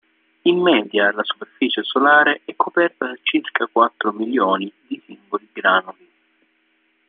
In media la superficie solare è coperta da circa quattro milioni di singoli granuli.